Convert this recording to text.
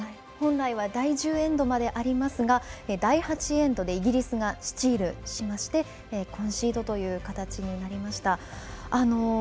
本来は第１０エンドまでありますが第８エンドでイギリスがスチールしましてコンシードという形になりました。